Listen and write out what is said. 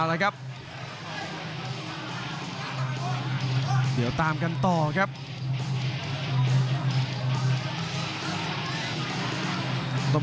กรรมการเตือนทั้งคู่ครับ๖๖กิโลกรัม